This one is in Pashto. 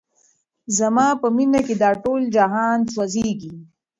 زما په مینه کي دا ټول جهان سوځیږي